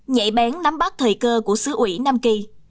nhảy bén nắm bắt thời cơ của sứ ủy nam kỳ